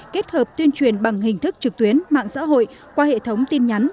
kết hợp tuyên truyền bằng hình thức trực tuyến mạng xã hội qua hệ thống tin nhắn